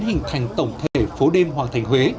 hình thành tổng thể phố đêm hoàng thành huế